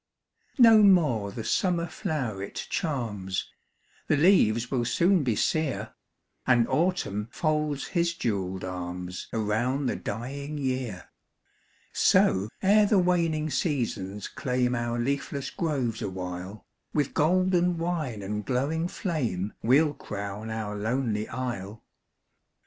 No more the summer floweret charms, The leaves will soon be sere, And Autumn folds his jewelled arms Around the dying year; So, ere the waning seasons claim Our leafless groves awhile, With golden wine and glowing flame We 'll crown our lonely isle.